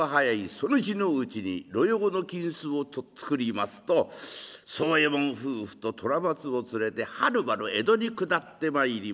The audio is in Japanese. その日のうちに御用の金子をとっつくりますと宗右衛門夫婦と虎松を連れてはるばる江戸に下ってまいります。